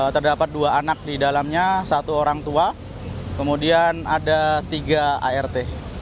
terdapat dua anak di dalamnya satu orang tua kemudian ada tiga art